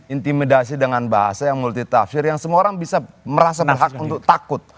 intimidasi dengan bahasa yang multitafsir yang semua orang bisa merasa berhak untuk takut